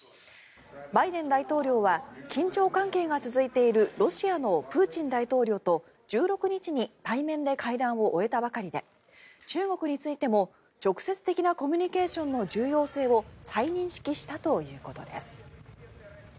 バイデン大統領は緊張関係が続いているロシアのプーチン大統領と１６日に対面で会談を終えたばかりで中国についても直接的なコミュニケーションの重要性を再認識したということです。